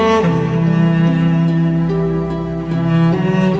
suara kamu indah sekali